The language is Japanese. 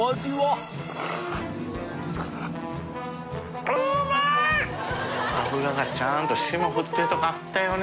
淵船礇鵝脂がちゃんと霜降ってるとこあったよね。